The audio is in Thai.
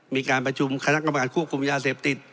มีการประชุมคณะกรรมการควบคุมยาเสพติด